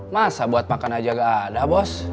masa buat makan aja gak ada bos